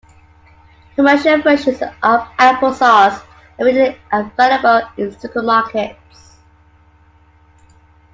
Commercial versions of apple sauce are readily available in supermarkets.